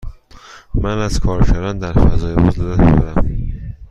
من از کار کردن در فضای باز لذت می برم.